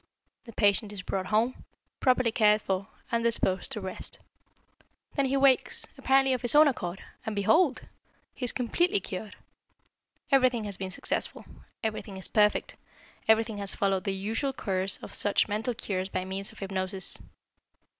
The patient is brought home, properly cared for, and disposed to rest. Then he wakes, apparently of his own accord, and behold! he is completely cured. Everything has been successful, everything is perfect, everything has followed the usual course of such mental cures by means of hypnosis.